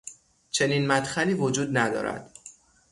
چنین مدخلی وجود ندارد